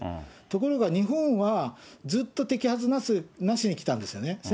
ところが日本は、ずっと摘発なしにきたんですよね。